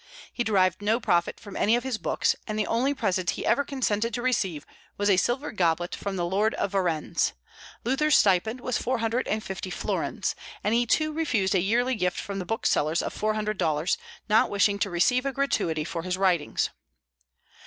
He derived no profit from any of his books, and the only present he ever consented to receive was a silver goblet from the Lord of Varennes. Luther's stipend was four hundred and fifty florins; and he too refused a yearly gift from the booksellers of four hundred dollars, not wishing to receive a gratuity for his writings.